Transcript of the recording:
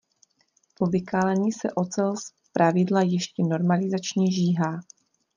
Po vykalení se ocel zpravidla ještě normalizačně žíhá.